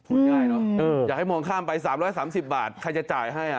ง่ายเนอะอยากให้มองข้ามไป๓๓๐บาทใครจะจ่ายให้